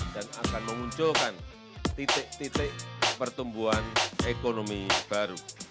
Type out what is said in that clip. dan akan mengunculkan titik titik pertumbuhan ekonomi baru